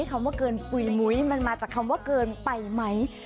คำว่าเกินปุ๋ยมุ้ยมันมาจากคำว่าเกินไปไหม